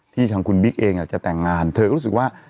ทางคุณบิ๊กเองจะแต่งงานเธอก็รู้สึกว่า